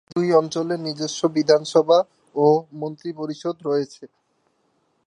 এই দুই অঞ্চলের নিজস্ব বিধানসভা ও মন্ত্রিপরিষদ রয়েছে।